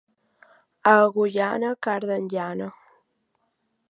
A Agullana, carden llana.